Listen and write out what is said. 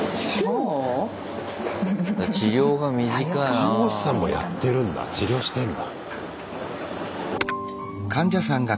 看護師さんもやってるんだ治療してんだ。